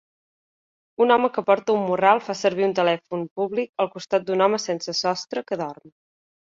un home que porta un morral fa servir un telèfon públic al costat d'un home sense sostre que dorm.